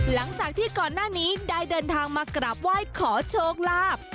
หลังจากที่ก่อนหน้านี้ได้เดินทางมากราบไหว้ขอโชคลาภ